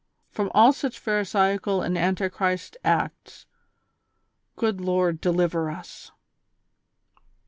From all such pharisaical and anti Christ acts, good Lord deliver us.